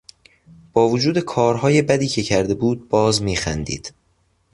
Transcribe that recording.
با وجود کارهای بدی که کرده بود باز میخندید.